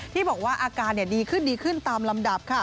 ที่บอกว่าอาการดีขึ้นตามลำดับ